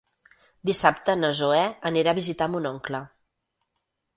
Dissabte na Zoè anirà a visitar mon oncle.